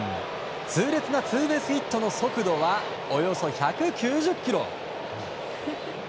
痛烈なツーベースヒットの速度はおよそ１９０キロ。